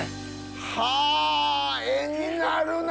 はあ絵になるな！